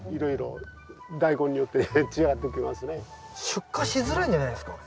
出荷しづらいんじゃないですか？